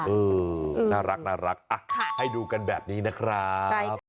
เออน่ารักให้ดูกันแบบนี้นะครับ